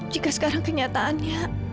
jika sekarang kenyataannya